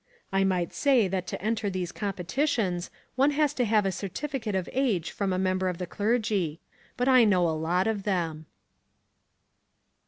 I might say that to enter these competitions one has to have a certificate of age from a member of the clergy. But I know a lot of them.